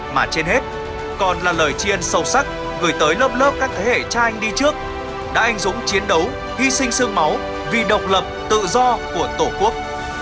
mà trên hết còn là lời chiên sâu sắc gửi tới lớp lớp các thế hệ cha anh đi trước đã anh dũng chiến đấu hy sinh sương máu vì độc lập tự do của tổ quốc